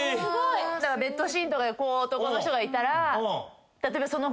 だからベッドシーンとかでこう男の人がいたら例えばその。